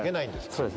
そうです。